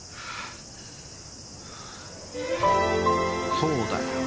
そうだよ。